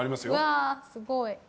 うわすごい。